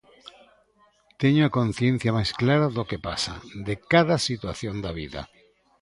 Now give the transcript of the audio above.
Teño a conciencia máis clara do que pasa, de cada situación da vida.